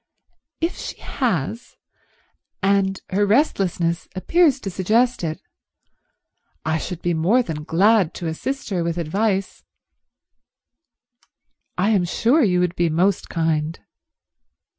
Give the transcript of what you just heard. "If she has, and her restlessness appears to suggest it, I should be more than glad to assist her with advice." "I am sure you would be most kind."